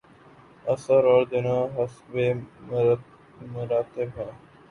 اثر اور دونوں حسب مراتب ہیں۔